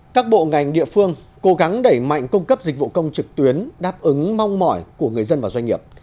các bộ ngành địa phương cố gắng đẩy mạnh cung cấp dịch vụ công trực tuyến đáp ứng mong mỏi của người dân và doanh nghiệp